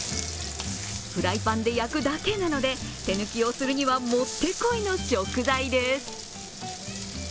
フライパンで焼くだけなので手抜きをするにはもってこいの食材です。